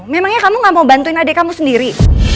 memangnya kamu gak mau bantuin adik kamu sendiri